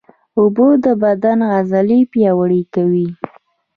اوبه د بدن عضلې پیاوړې کوي